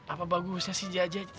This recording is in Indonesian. apa bagusnya si jajah gitu